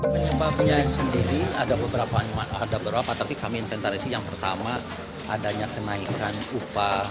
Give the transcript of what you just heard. penyebabnya sendiri ada beberapa tapi kami inventarisi yang pertama adanya kenaikan upah